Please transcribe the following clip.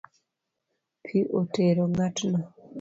Pi otero ng’atno